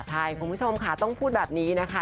ใช่คุณผู้ชมค่ะต้องพูดแบบนี้นะคะ